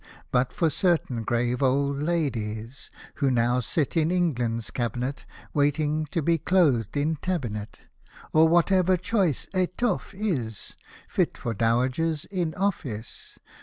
But for certain grave old ladies, Who now sit in England's cabinet, Waiting to be clothed in tabinet, Or whatever choice etoffe is Fit for Dowagers in office.